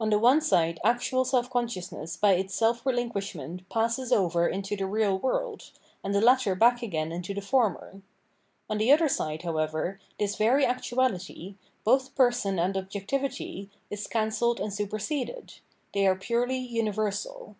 On the one side actual self consciousness by its self relinquishment passes over into the real world, and the latter back again into the former. On the other side, however, this very actuality, both person and objectivity, is can 490 Phenomenology of Mind celled and superseded ; they are purely universal.